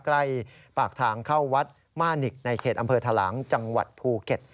ใกล้ปากทางเข้าวัดม่านิกในเขตอำเภอทะลังจังหวัดภูเก็ต